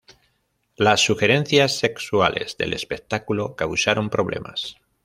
Las sugerencias sexuales del espectáculo causaron problemas.